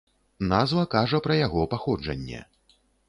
Назва кажа пра яго паходжанне.